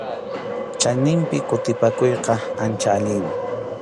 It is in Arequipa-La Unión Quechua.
Chaninpi kutipakuyqa ancha allinmi.